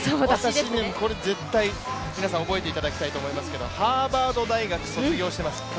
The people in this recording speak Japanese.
これ、絶対、皆さん覚えていただきたいと思いますけど、ハーバード大学卒業してます。